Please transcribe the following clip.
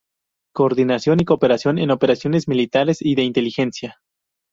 Coordinación y cooperación en operaciones militares y de inteligencia.